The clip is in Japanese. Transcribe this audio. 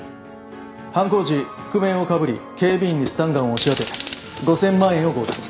犯行時覆面をかぶり警備員にスタンガンを押し当て５，０００万円を強奪。